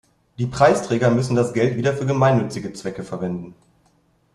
Die Preisträger müssen das Geld wieder für gemeinnützige Zwecke verwenden.